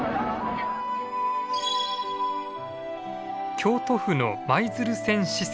京都府の舞鶴線支線。